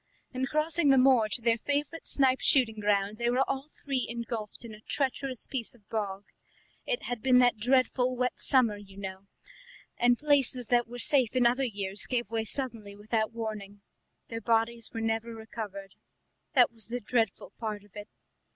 In crossing the moor to their favourite snipe shooting ground they were all three engulfed in a treacherous piece of bog. It had been that dreadful wet summer, you know, and places that were safe in other years gave way suddenly without warning. Their bodies were never recovered. That was the dreadful part of it."